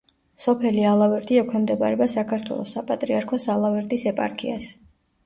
სოფელი ალავერდი ექვემდებარება საქართველოს საპატრიარქოს ალავერდის ეპარქიას.